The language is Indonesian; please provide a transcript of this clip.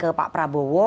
sebelum pak prabowo